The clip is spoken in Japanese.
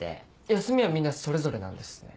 休みはみんなそれぞれなんですね。